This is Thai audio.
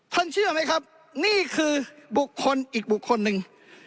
เชื่อไหมครับนี่คือบุคคลอีกบุคคลหนึ่ง